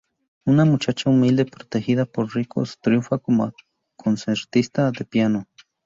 Una muchacha humilde, protegida por ricos, triunfa como concertista de piano.